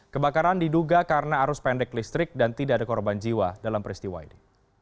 kebakaran diduga karena arus pendek listrik dan tidak ada korban jiwa dalam peristiwa ini